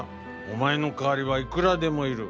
お前の代わりはいくらでもいる。